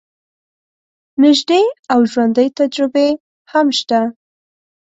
نژدې او ژوندۍ تجربې هم شته.